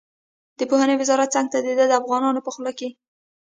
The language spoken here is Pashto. د پوهنې وزارت څنګ ته د ده افغانان په خوله کې.